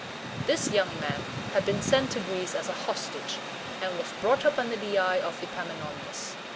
This young man had been sent to Greece as a hostage, and was brought up under the eye of Epaminondas.